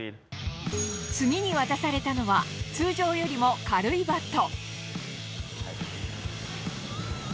次に渡されたのは、通常よりも軽いバット。